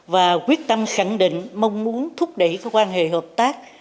và quyết tâm khẳng định mong muốn thúc đẩy quan hệ hợp tác